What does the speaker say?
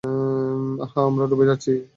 আহ, আমরা ডুবে যাচ্ছি।